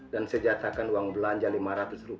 dan saya jatahkan uang belanja lima ratus rupiah satu hari